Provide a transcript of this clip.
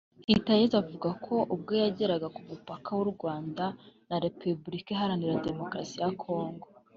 Hitayezu avuga ko ubwo yageraga ku mupaka w’u Rwanda na Repubulika Iharanira Demokarasi ya Congo